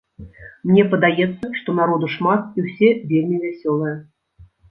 Мне падаецца, што народу шмат, і ўсе вельмі вясёлыя.